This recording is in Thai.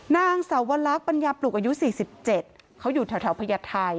นางสาวลักษณ์ปัญญาปลุกอายุ๔๗เขาอยู่แถวพญาไทย